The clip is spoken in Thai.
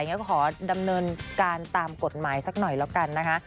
ก็ขอดำเนินการตามกฎหมายสักหน่อยแล้วกันนะคะ